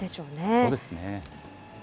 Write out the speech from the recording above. そうですね。